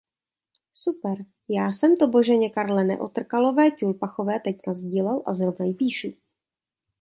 Super, já jsem to Boženě Karle Neotrkalové-Ťulpachové teď nasdílel a zrovna jí píšu.